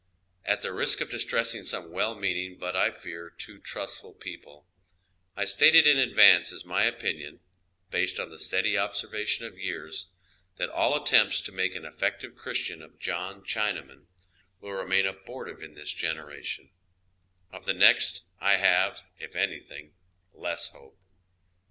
At the risk of distressing some well meaning, but, I fear, too trustful people, I state it in advance as my opinion, based on the steady observation of years, that all attempts to make an effective Christian of John Chinaman will re main abortive in this generation ; of tlie next I have, if anything, less hope.